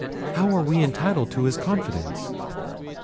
How are we entitled to his confidence?"